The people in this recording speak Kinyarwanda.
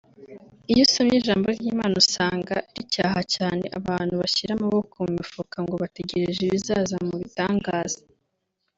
Iyo usomye ijambo ry’Imana usanga ricyaha cyane abantu bashyira amaboko mu mifuka ngo bategereje ibizaza mu bitangaza